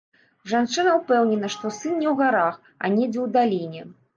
Жанчына ўпэўнена, што сын не ў гарах, а недзе ў даліне.